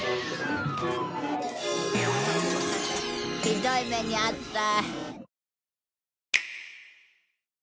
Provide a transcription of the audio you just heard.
ひどい目にあった。